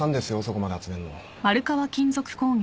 そこまで集めんの。